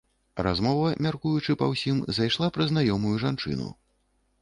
Размова, мяркуючы па ўсім, зайшла пра знаёмую жанчыну.